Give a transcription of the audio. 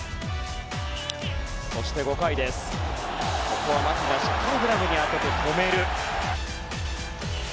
そして５回ここは牧がしっかりグラブに当てて止める。